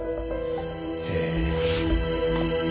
へえ。